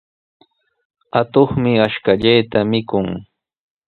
Atuqmi ashkallata mikun.